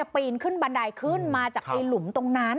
ปีนขึ้นบันไดขึ้นมาจากไอ้หลุมตรงนั้น